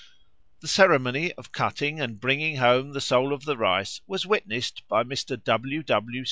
The ceremony of cutting and bringing home the Soul of the Rice was witnessed by Mr. W. W.